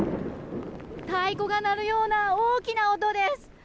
太鼓が鳴るような大きな音です。